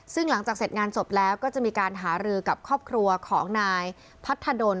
ซึ่งหลังจากเสร็จงานศพแล้วก็จะมีการหารือกับครอบครัวของนายพัทธดล